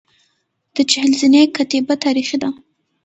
د چهل زینې کتیبه تاریخي ده